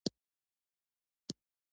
انا د ښو شپو یادونه کوي